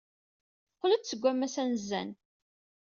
Teqqel-d seg wammas anezzan.